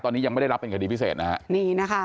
ตอนนี้ยังไม่ได้รับเป็นคดีพิเศษนะฮะนี่นะคะ